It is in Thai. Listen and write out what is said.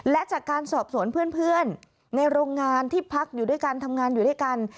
และจากการสอบสวนเพื่อนในโรงงานที่พักอยู่ด้วยกันทำงานอยู่ด้วยกัน